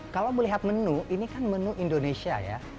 kalau melihat menu ini kan menu indonesia ya